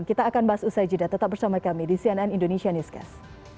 kita akan bahas usai jeda tetap bersama kami di cnn indonesia newscast